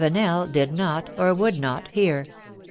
Lavenel did not, or would not, hear.